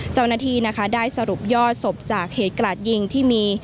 เจ้าหน้าที่นะคะได้สรุปยอดศพจากเหตุกราดยิงที่มี